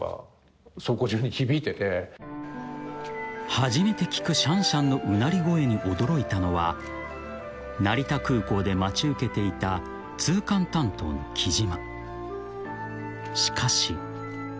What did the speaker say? ［初めて聞くシャンシャンのうなり声に驚いたのは成田空港で待ち受けていた通関担当の来島］